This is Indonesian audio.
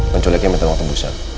dan culiknya minta uang kebusan